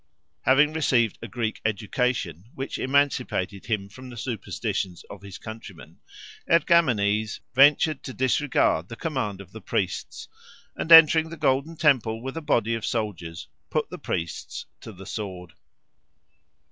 Having received a Greek education which emancipated him from the superstitions of his countrymen, Ergamenes ventured to disregard the command of the priests, and, entering the Golden Temple with a body of soldiers, put the priests to the sword.